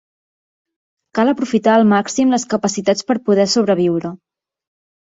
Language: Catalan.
Cal aprofitar al màxim les capacitats per poder sobreviure.